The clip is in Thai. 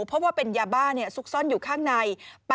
เพราะว่าเป็นยาบ้าซุกซ่อนอยู่ข้างใน